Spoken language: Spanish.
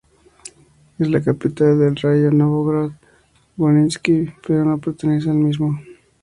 Es la capital del raión de Novograd-Volynsky, pero no pertenece al mismo.